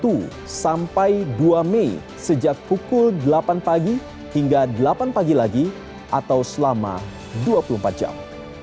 satu sampai dua mei sejak pukul delapan pagi hingga delapan pagi lagi atau selama dua puluh empat jam